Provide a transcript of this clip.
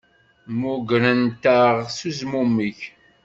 Mmugrent-aɣ s uzmumeg.